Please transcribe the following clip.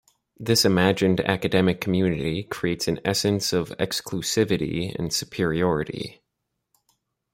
This imagined academic community creates an essence of exclusivity and superiority.